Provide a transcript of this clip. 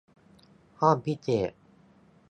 ห้องพิเศษ